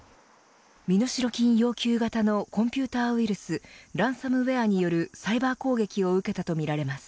身代金要求型のコンピューターウイルスランサムウエアによるサイバー攻撃を受けたとみられます。